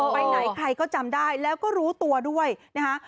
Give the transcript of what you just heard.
ไปไหนใครก็จำได้แล้วก็รู้ตัวด้วยนะคะ